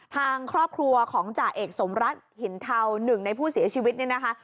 ทางครอบครัวของจ่าเอกสมรัฐหินเทาหนึ่งในผู้เสียชีวิตเนี่ยนะคะ